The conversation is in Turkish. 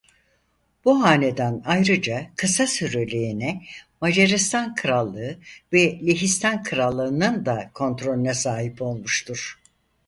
Bu hanedan ayrıca kısa süreliğine Macaristan Krallığı ve Lehistan Krallığı'nın da kontrolüne sahip olmuştur.